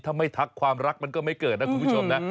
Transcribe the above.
ถ้าไม่ทักความรักมันก็ไม่เกิดนะคุณผู้ชมนะ